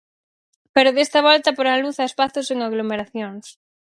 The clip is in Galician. Pero desta volta porán luz a espazos sen aglomeracións.